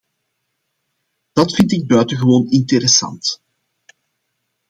Dat vind ik buitengewoon interessant.